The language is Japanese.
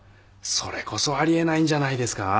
それこそあり得ないんじゃないですか？